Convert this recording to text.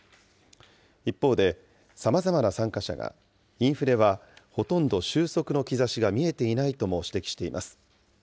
一方で、さまざまな参加者が、インフレはほとんど収束の兆しが見えていないとも指摘しています。